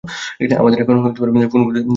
আমাদের এখন আর ফোন বুথের জন্য দৌড়াতে হয় না।